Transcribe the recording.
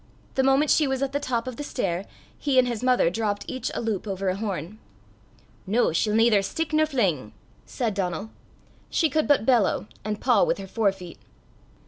The moment she was at the top of the stair, he and his mother dropped each a loop over a horn. "Noo, she'll naither stick nor fling (gore nor kick)," said Donal: she could but bellow, and paw with her fore feet.